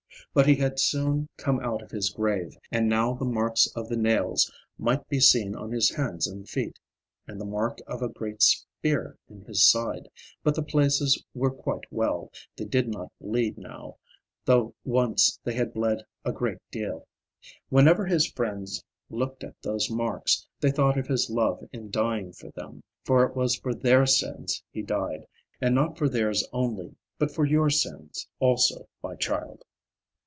But he had soon come out of his grave; and now the marks of the nails might be seen on his hands and feet, and the mark of a great spear in his side, but the places were quite well, they did not bleed now, though once they had bled a great deal. Whenever his friends looked at those marks, they thought of his love in dying for them, for it was for their sins he died, and not for theirs only, but for your sins, also, my child.